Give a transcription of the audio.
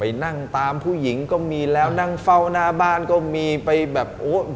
นั่งตามผู้หญิงก็มีแล้วนั่งเฝ้าหน้าบ้านก็มีไปแบบโอ้ย